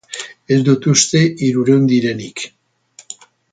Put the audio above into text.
Ez dut uste hirurehun direnik.